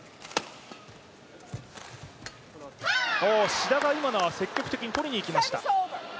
志田が今のは積極的に取りに行きました。